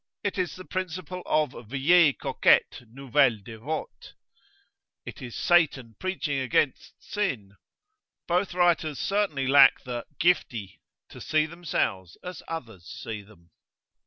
It is the principle of "vieille coquette, nouvelle devote"; it is Satan preaching against Sin. Both writers certainly lack the "giftie" to see themselves as others see them.